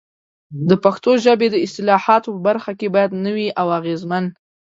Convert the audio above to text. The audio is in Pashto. د پښتو ژبې د اصطلاحاتو په برخه کې باید نوي او اغېزمن